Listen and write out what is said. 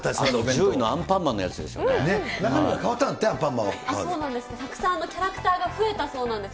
１０位のアンパンマンのやつ中身が変わったんだって、たくさんキャラクターが増えたそうなんです。